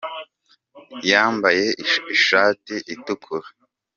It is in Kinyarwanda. Yambaye ushati itukura.